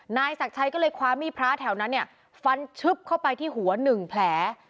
นายศักดิ์ชัยก็เลยคว้ามีดพระแถวนั้นเนี่ยฟันชึบเข้าไปที่หัว๑แผล